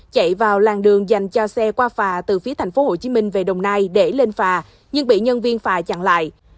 chạy vào làng đường dành cho xe qua phà từ phía thành phố hồ chí minh về đồng nai để lên phà nhưng bị nhân viên phà chặn lại